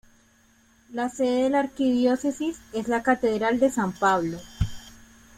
La sede de la Arquidiócesis es la Catedral de San Pablo.